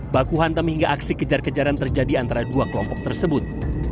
baku hantam hingga aksi kejar kejaran terjadi antara dua kelompok tersebut